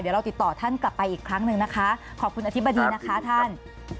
เดี๋ยวเราติดต่อท่านกลับไปอีกครั้งหนึ่งนะคะขอบคุณอธิบดีนะคะท่าน